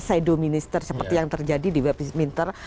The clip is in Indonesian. seido minister seperti yang terjadi di webinter